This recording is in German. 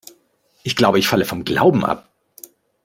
Ich glaube, ich falle vom Glauben ab.